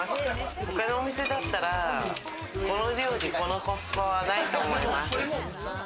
他のお店だったら、この量でこのコスパはないと思います。